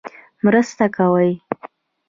مرسته کوي.